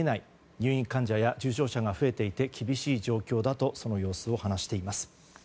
入院患者や重症者が増えていて厳しい状況だとその様子を話しています。